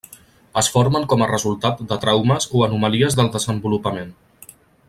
Es formen com a resultat de traumes o anomalies del desenvolupament.